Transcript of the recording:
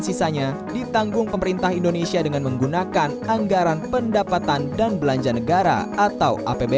sisanya ditanggung pemerintah indonesia dengan menggunakan anggaran pendapatan dan belanja negara atau apbn